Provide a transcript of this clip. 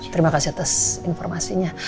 terima kasih atas informasinya